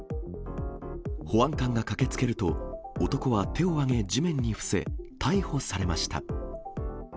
保安官が駆けつけると、男は手を上げ、地面に伏せ、逮捕されました。